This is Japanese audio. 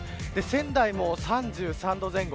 仙台も３３度前後。